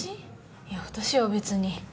いや私は別に。